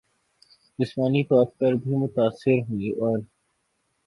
جسمانی طور پر بھی متاثر ہوئیں اور